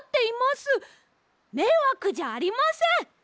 めいわくじゃありません！